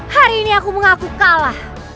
hari ini aku mengaku kalah